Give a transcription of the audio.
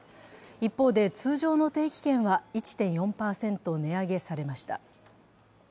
一方で、通常の定期券は１．４％値上げされました。